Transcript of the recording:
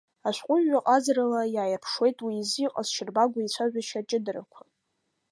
Ашәҟәыҩҩы ҟазарыла иааирԥшуеит уи изы иҟазшьарбагоу ицәажәашьа аҷыдарақәа.